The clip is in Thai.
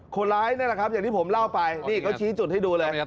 คนร้ายนั่นแหละครับอย่างที่ผมเล่าไปนี่เขาชี้จุดให้ดูเลย